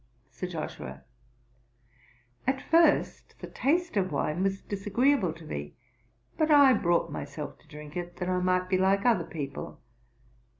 SIR JOSHUA. 'At first the taste of wine was disagreeable to me; but I brought myself to drink it, that I might be like other people.